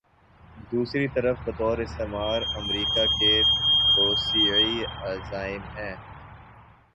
دوسری طرف بطور استعمار، امریکہ کے توسیعی عزائم ہیں۔